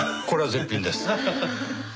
これは絶品です。